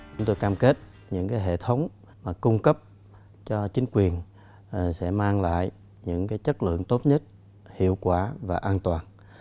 chúng tôi cam kết những hệ thống cung cấp cho chính quyền sẽ mang lại những chất lượng tốt nhất hiệu quả và an toàn